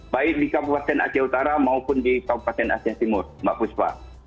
baik di kabupaten aceh utara maupun di kabupaten aceh timur mbak puspa